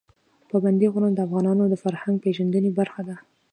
پابندی غرونه د افغانانو د فرهنګي پیژندنې برخه ده.